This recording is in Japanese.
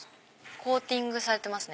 コーティングされてますね。